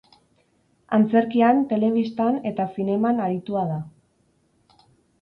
Antzerkian, telebistan eta zineman aritua da.